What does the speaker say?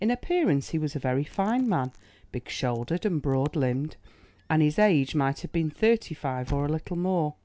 In appearance he was a very fine man, big shouldered and broad limbed, and his age might have been thirty five or a little more.